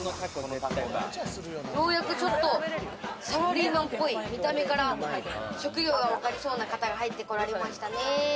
ようやく、ちょっとサラリーマンぽい見た目から職業が分かりそうな方が入ってこられましたね。